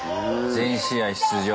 全試合出場。